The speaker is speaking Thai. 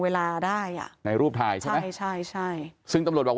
เวลาได้อ่ะในรูปถ่ายใช่ไหมใช่ใช่ใช่ซึ่งตำโหลดบอก